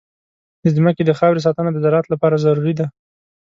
د ځمکې د خاورې ساتنه د زراعت لپاره ضروري ده.